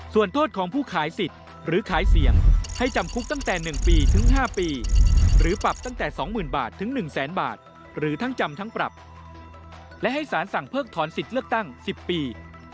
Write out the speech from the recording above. ส่วนโทษของผู้ขายสิทธิ์หรือขายเสียงให้จำคุกตั้งแต่๑ปีถึง๕ปีหรือปรับตั้งแต่๒๐๐๐บาทถึง๑แสนบาทหรือทั้งจำทั้งปรับและให้สารสั่งเพิกถอนสิทธิ์เลือกตั้ง๑๐ปี